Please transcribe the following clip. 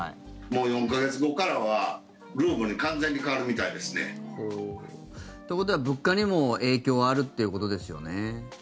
もう４か月後からはルーブルに完全に変わるみたいですね。ということは物価にも影響があるということですよね。